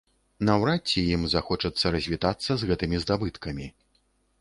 Наўрад ці ім захочацца развітацца з гэтымі здабыткамі.